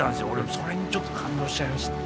それにちょっと感動しちゃいました。